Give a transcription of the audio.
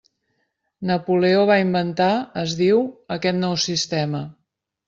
Napoleó va inventar, es diu, aquest nou sistema.